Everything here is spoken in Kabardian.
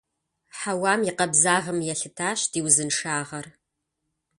Хьэуам и къабзагъым елъытащ ди узыншагъэр.